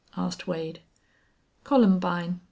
asked Wade. "Columbine.